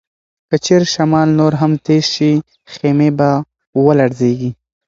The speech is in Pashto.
که چیرې شمال نور هم تېز شي، خیمې به ولړزيږي.